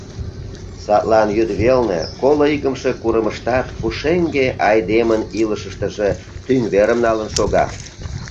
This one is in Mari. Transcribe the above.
Садлан йӱдвелне коло икымше курымыштат пушеҥге айдемын илышыштыже тӱҥ верым налын шога.